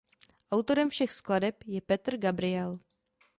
Autorem všech skladeb je Peter Gabriel.